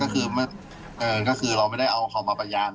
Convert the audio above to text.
ก็คือเราไม่ได้เอาเขามาประยาน